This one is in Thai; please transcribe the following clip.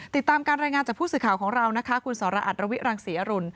ติดตามการรายงานจากผู้สื่อข่าวของเรานะคะคุณสรอัตรวิรังศรีอรุณ